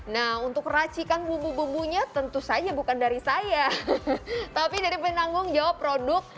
nah untuk racikan bumbu bumbunya tentu saja bukan dari saya tapi dari penanggung jawab produk